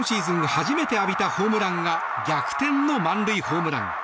初めて浴びたホームランが逆転の満塁ホームラン。